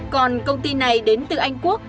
còn công ty này đến từ anh quốc